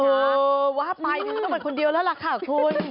เออว่าไปกันก็เป็นคนเดียวแล้วล่ะค่ะคุณ